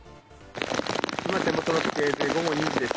今、手元の時計で午後２時です。